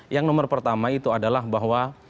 yang nomor pertama itu adalah bahwa